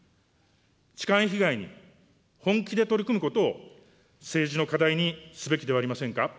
痴漢被害に本気で取り組むことを政治の課題にすべきではありませんか。